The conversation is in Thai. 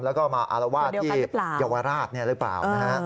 แล้วก็มาอารวาสที่เยาวราชหรือเปล่านะฮะ